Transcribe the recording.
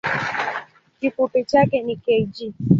Kifupi chake ni kg.